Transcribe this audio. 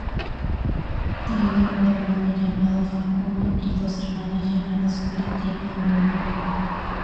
Tiene un hermano llamado Facundo y dos hermanas llamadas Julieta y Paulina.